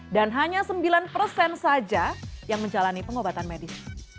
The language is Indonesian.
hanya sembilan persen saja yang menjalani pengobatan medis